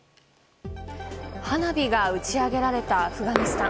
花火が打ち上げられたアフガニスタン。